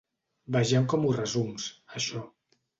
Vejam com ho resums, això.